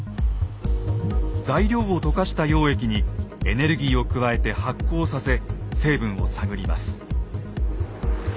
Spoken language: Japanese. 材料を溶かした溶液にエネルギーを加えて発光させ成分を探ります。